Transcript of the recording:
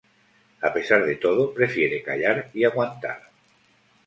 A pesar de todo prefiere callar y aguantar.